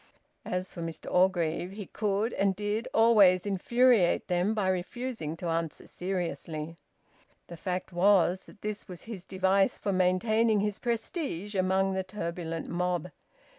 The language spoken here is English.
As for Mr Orgreave, he could and did always infuriate them by refusing to answer seriously. The fact was that this was his device for maintaining his prestige among the turbulent mob.